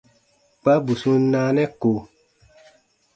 Kpa bù sun naanɛ ko.